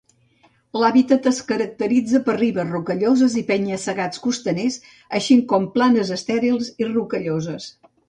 L'hàbitat es caracteritza per ribes rocalloses i penya-segats costaners, així com planes estèrils i rocalloses.